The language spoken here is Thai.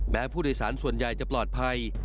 แม้ผู้โดยสารส่วนใหญ่จะปลอดภัย